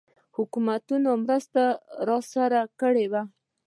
حکومتونو مرسته راسره کړې وه.